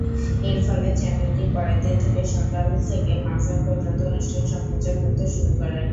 এর ফলে, চ্যানেলটি পরেরদিন থেকে সকাল থেকে মাঝ রাত পর্যন্ত অনুষ্ঠান সম্প্রচার করতে শুরু করে।